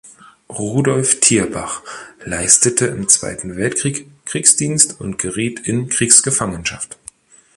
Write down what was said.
Rudolf Thierbach leistete im Zweiten Weltkrieg Kriegsdienst und geriet in Kriegsgefangenschaft.